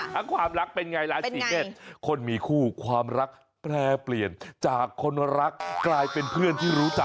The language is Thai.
ความรักเป็นไงราศีเมษคนมีคู่ความรักแปรเปลี่ยนจากคนรักกลายเป็นเพื่อนที่รู้จัก